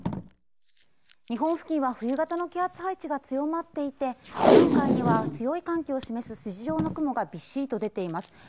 日本付近は冬型の気圧配置が強まっていて日本海には強い寒気を示す筋状の雲がびっしりと出ています